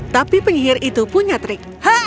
tapi penyihir itu punya trik